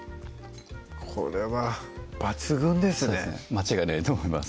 間違いないと思います